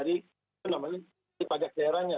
dari pajak daerahnya